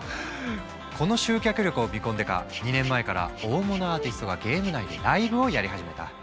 この集客力を見込んでか２年前から大物アーティストがゲーム内でライブをやり始めた。